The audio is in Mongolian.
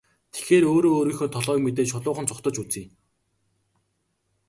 Тэгэхээр өөрөө өөрийнхөө толгойг мэдээд шулуухан зугтаж үзье.